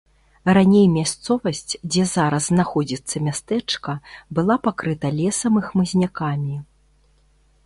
Раней мясцовасць, дзе зараз знаходзіцца мястэчка, была пакрыта лесам і хмызнякамі.